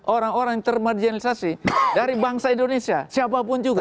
orang orang termarjenalisasi dari bangsa indonesia siapapun juga